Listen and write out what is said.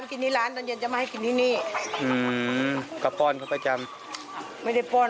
กินที่ร้านตอนเย็นจะมาให้กินที่นี่อืมก็ป้อนเขาประจำไม่ได้ป้อน